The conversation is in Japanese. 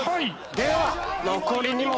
では残り２問。